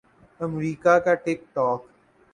امریکا کا ٹک ٹاک